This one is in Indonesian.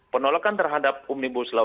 penolakan terhadap umni buslaw